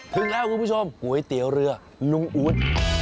ถึงแล้วคุณผู้ชมก๋วยเตี๋ยวเรือลุงอู๊ด